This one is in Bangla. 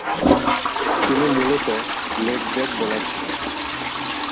তিনি মূলতঃ লেগ ব্রেক বোলার ছিলেন।